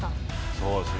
そうですね。